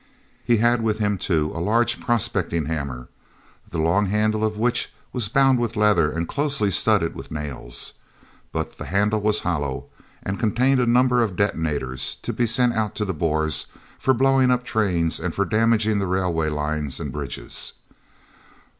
He had with him, too, a large prospecting hammer, the long handle of which was bound with leather and closely studded with nails. But the handle was hollow and contained a number of detonators, to be sent out to the Boers for blowing up trains and for damaging the railway lines and bridges.